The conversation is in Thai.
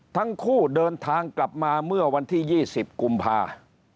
ทั้งคู่เดินทางกลับมาเมื่อวันที่๒๐กุมภา